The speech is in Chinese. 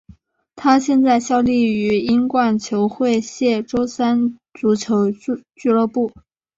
他现在效力于英冠球会谢周三足球俱乐部。